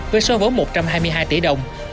với số vốn một trăm hai mươi hai tỷ đồng